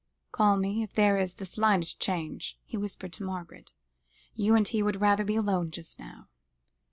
"Call me if there is the slightest change," he whispered to Margaret; "you and he would rather be alone just now."